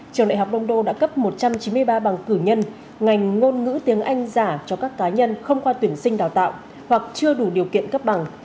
trường đại học đông đô đã cấp một trăm chín mươi ba bằng cử nhân ngành ngôn ngữ tiếng anh giả cho các cá nhân không qua tuyển sinh đào tạo hoặc chưa đủ điều kiện cấp bằng